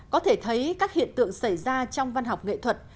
có thể thấy các hiện tượng xảy ra trong văn học nghệ thuật